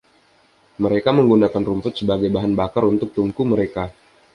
Mereka menggunakan rumput sebagai bahan bakar untuk tungku mereka.